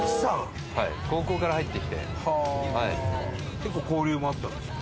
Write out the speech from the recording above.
結構交流もあったんですか？